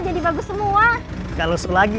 jadi bagus semua gak lusuh lagi